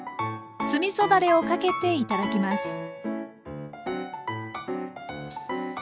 酢みそだれをかけて頂きます。